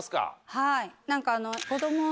はい。